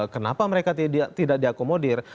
kenapa mereka tidak diakomodir